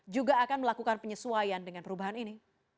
juga akan melakukan penyesuaian dengan perubahan ini